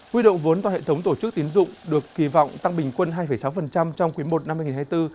huy động vốn toàn hệ thống tổ chức tiến dụng được kỳ vọng tăng bình quân hai sáu trong quý i năm hai nghìn hai mươi bốn